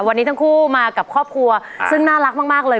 วันนี้ทั้งคู่มากับครอบครัวซึ่งน่ารักมากเลย